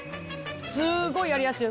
すごいやりやすいよ。